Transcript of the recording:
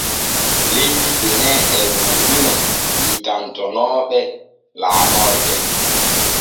Leydi Benin e wooduno hiitantonooɓe laamorde.